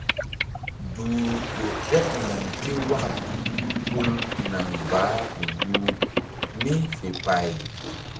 Duhru ƴo ɓeɓ naŋ ké waka pul naŋ baah gu-guh mí fe pay.